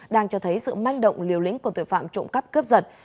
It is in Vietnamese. đang cho thấy sự manh động liều lĩnh của tội phạm trộm cắp cướp giật